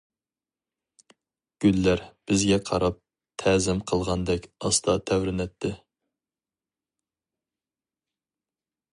گۈللەر بىزگە قاراپ تەزىم قىلغاندەك ئاستا تەۋرىنەتتى.